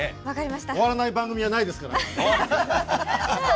終わらない番組はないですから。